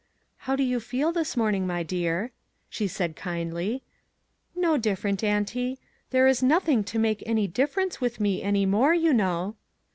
" How do you feel this morning, my dear ?" she said, kindly. " No different, auntie ; there is nothing to make any difference with me any more, you know."